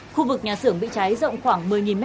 khu vực nhà xưởng bị cháy rộng khoảng một mươi m hai